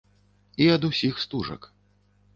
І ад усіх стужак.